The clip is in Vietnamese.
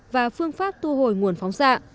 và phương pháp tu hồi nguồn phóng xạ